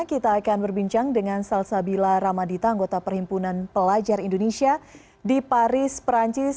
kita akan berbincang dengan salsabila ramadita anggota perhimpunan pelajar indonesia di paris perancis